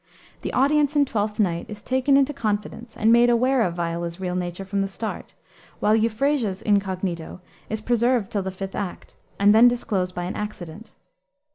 The audience in Twelfth Night is taken into confidence and made aware of Viola's real nature from the start, while Euphrasia's incognito is preserved till the fifth act, and then disclosed by an accident.